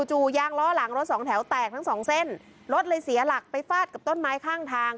จู่ยางล้อหลังรถสองแถวแตกทั้งสองเส้นรถเลยเสียหลักไปฟาดกับต้นไม้ข้างทาง